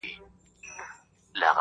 -عبدالباري جهاني-